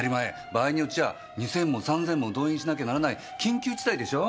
場合によっちゃ２千も３千も動員しなきゃならない緊急事態でしょ？